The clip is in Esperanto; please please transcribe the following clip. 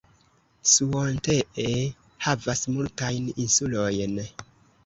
Suontee havas multajn insulojn.